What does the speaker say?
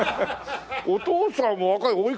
お父さん若い。